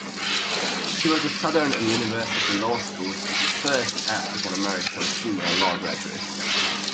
She was the Southern University Law School’s first African American female law graduate.